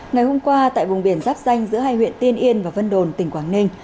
ngày hôm qua tại vùng biển giáp danh giữa hai huyện tiên yên và vân đồn tỉnh quảng ninh